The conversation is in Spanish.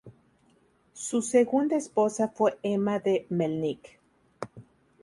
Su segunda esposa fue Emma de Mělník.